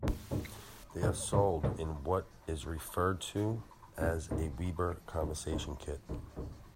They are sold in what is referred to as a Weber Conversion kit.